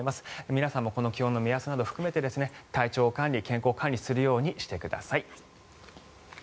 皆さんもこの気温の目安など体調管理、健康管理をするようにしてください。